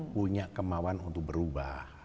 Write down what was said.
punya kemauan untuk berubah